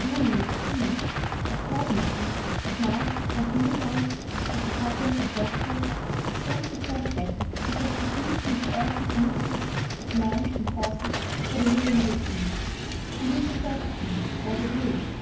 Nomi no Sukune, a court noble now apotheosized as the patron of wrestlers then suggested the substitution of earthen images of men and horses for the living victims; and his suggestion was approved.